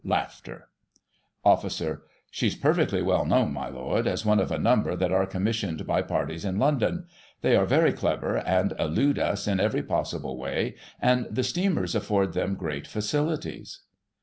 Officer: She's perfectly well known, my Lord, as one of a number that are commissioned by parties in London. They are all very clever, and elude us in every possible way, and the steamers afford them great facilities.